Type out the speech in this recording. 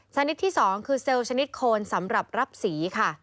ชนิดที่๒คือเซลล์ชนิดโคนสำหรับรับสีค่ะ